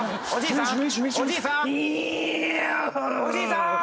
おじいさん！